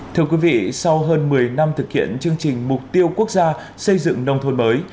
thưa quý vị sau hơn một mươi năm thực hiện chương trình mục tiêu quốc gia xây dựng nông thôn mới